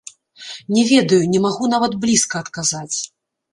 Не ведаю, не магу нават блізка адказаць.